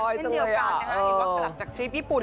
เช่นเดียวกันนะฮะเห็นว่ากลับจากทริปญี่ปุ่น